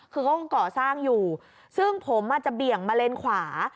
คือเขาก็เป็นเกาะสร้างอยู่ซึ่งผมจะเบี่ยงมาเลนขวา